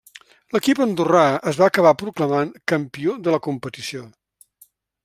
L'equip andorrà es va acabar proclamant campió de la competició.